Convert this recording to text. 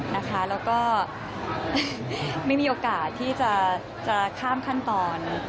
แล้วก็ไม่มีโอกาสที่จะข้ามขั้นตอน